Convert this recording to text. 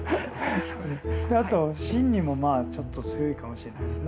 あと瞋恚もまあちょっと強いかもしれないですね。